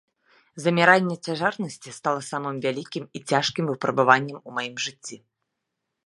Заміранне цяжарнасці стала самым вялікім і цяжкім выпрабаваннем у маім жыцці.